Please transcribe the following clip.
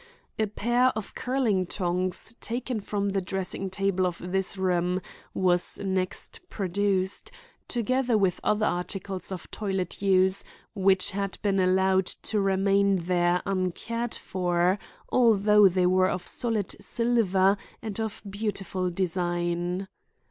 A pair of curling tongs taken from the dressing table of this room was next produced, together with other articles of toilet use which had been allowed to remain there uncared for, though they were of solid silver and of beautiful design.